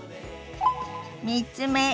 ３つ目。